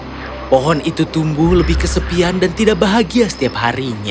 tapi suatu hari kemudian pohon itu tumbuh lebih kesepian dan tidak bahagia setiap harinya